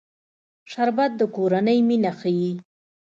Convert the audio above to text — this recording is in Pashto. شربت د کورنۍ مینه ښيي